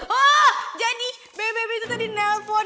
hah jadi bebe itu tadi nelpon